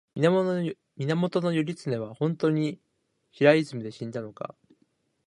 源義経は本当に平泉で死んだのか